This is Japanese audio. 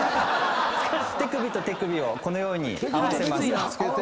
手首と手首をこのように合わせます。